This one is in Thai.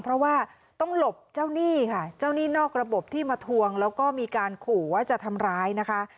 เพราะว่าต้องหลบเจ้าหนี้ค่ะเจ้าหนี้นอกระบบที่มาทวงแล้วก็มีการขู่ว่าจะทำร้ายนะคะ